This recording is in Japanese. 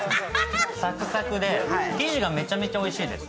サクサクで生地もめちゃくちゃおいしいです。